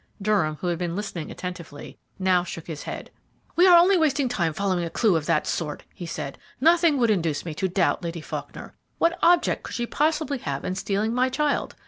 Durham, who had been listening attentively, now shook his head. "We are only wasting time following a clue of that sort," he said. "Nothing would induce me to doubt Lady Faulkner. What object could she possibly have in stealing my child?